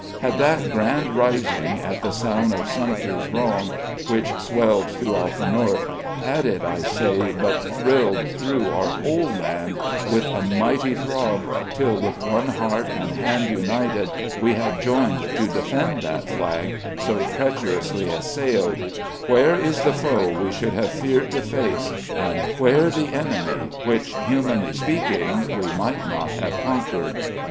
Had that grand rising, at the sound of Sumter's wrong, which swelled throughout the North had it, I say, but thrilled through our whole land with a mighty throb, till, with one heart and hand united, we had joined to defend that Flag, so treacherously assailed, where is the foe we should have feared to face where the enemy, which, humanly speaking, we might not have conquered?